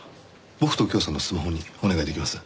僕と右京さんのスマホにお願い出来ます？